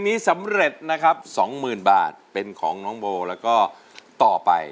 ที่สุสิงฟิก็ร้องได้ไหม